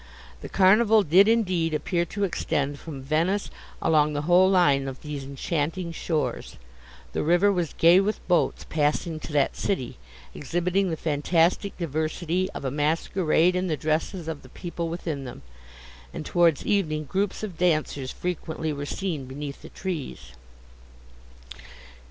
The Carnival did, indeed, appear to extend from Venice along the whole line of these enchanting shores; the river was gay with boats passing to that city, exhibiting the fantastic diversity of a masquerade in the dresses of the people within them; and, towards evening, groups of dancers frequently were seen beneath the trees.